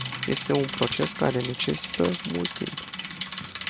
Este un proces care necesită mult timp.